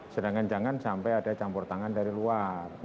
sedangkan jangan sampai ada campur tangan dari luar